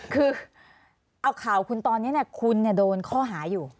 คือเอาข่าวคุณตอนนี้คุณโดนข้อหาอยู่